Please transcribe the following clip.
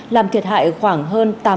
làm thiệt hại khoảng hơn